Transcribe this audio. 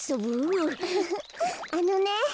あのね。